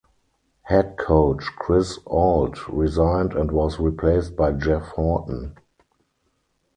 Head coach Chris Ault resigned and was replaced by Jeff Horton.